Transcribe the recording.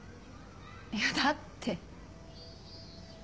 いやだって。